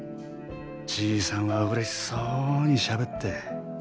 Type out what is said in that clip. じいさんはうれしそうにしゃべって。